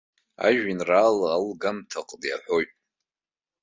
Ажәеинраала алгамҭа аҟны иаҳәоит.